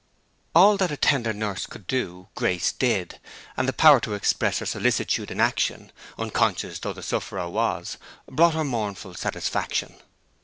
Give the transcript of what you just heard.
All that a tender nurse could do, Grace did; and the power to express her solicitude in action, unconscious though the sufferer was, brought her mournful satisfaction.